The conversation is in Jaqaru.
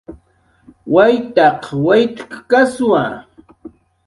Waytaq waytaykaswa